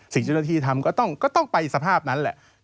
เจ้าหน้าที่ทำก็ต้องไปสภาพนั้นแหละ